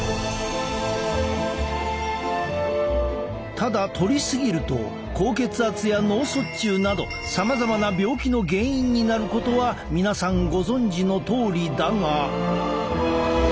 ただとりすぎると高血圧や脳卒中などさまざまな病気の原因になることは皆さんご存じのとおりだが。